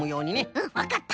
うんわかった！